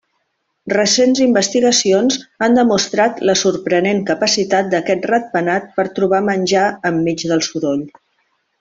Recents investigacions han demostrat la sorprenent capacitat d'aquest ratpenat per trobar menjar enmig del soroll.